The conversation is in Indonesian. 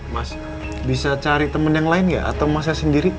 mas bisa cari teman yang lain nggak atau mas saya sendiri